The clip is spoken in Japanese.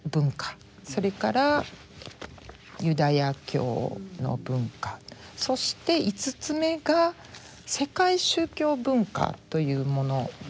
それからユダヤ教の文化そして５つ目が世界宗教文化というものですね。